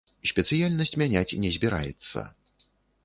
Спецыяльнасць мяняць не збіраецца.